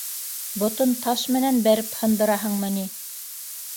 - Ботон таш менән бәреп һындыраһыңмы ни?